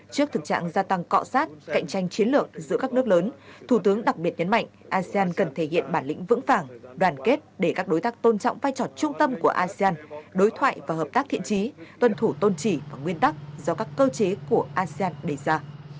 trước thực trạng gia tăng cọ sát cạnh tranh chiến lược giữa các nước lớn thủ tướng đặc biệt nhấn mạnh asean cần thể hiện bản lĩnh vững vàng đoàn kết để các đối tác tôn trọng vai trò trung tâm của asean đối thoại và hợp tác thiện trí tuân thủ tôn trị và nguyên tắc do các cơ chế của asean đề ra